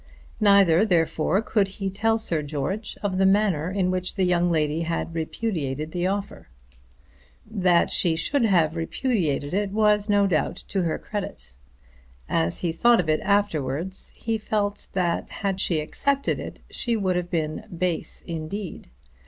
Neither, therefore, could he tell Sir George of the manner in which the young lady had repudiated the offer. That she should have repudiated it was no doubt to her credit. As he thought of it afterwards he felt that had she accepted it she would have been base indeed.